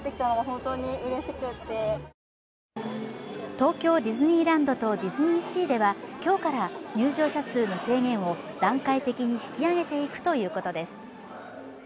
東京ディズニーランドとディズニーシーでは今日から入場者数の制限を段階的に引き上げていくということです。